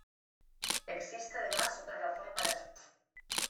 Existe además otra razón para su uso.